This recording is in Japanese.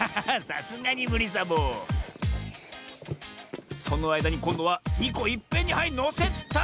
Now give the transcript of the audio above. さすがにむりサボそのあいだにこんどは２こいっぺんにはいのせた！